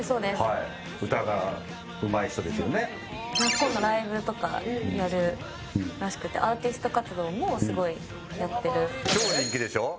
今度ライブとかやるらしくてアーティスト活動もすごいやってる。